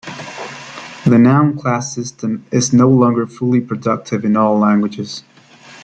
The noun class system is no longer fully productive in all languages.